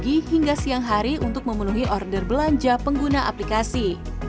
pagi hingga siang hari untuk memenuhi order belanja pengguna aplikasi